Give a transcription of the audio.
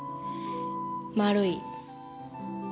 丸い。